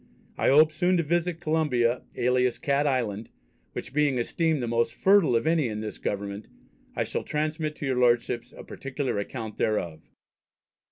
I hope soon to visit Columba alias Cat Island, which being esteemed the most fertile of any in this government, I shall transmit to your Lordships a particular account thereof.